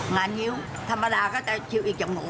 งานเงิ๊วธรรมดาก็ถือกิวจากหมู่